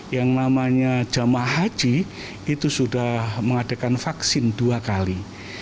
yang namanya jamaah haji itu sudah mengadakan vaksin dua kali